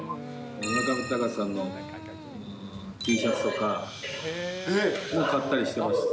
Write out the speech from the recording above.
村上隆さんのＴシャツとかを買ったりしてます。